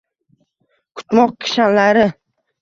Kutmoq kishanlari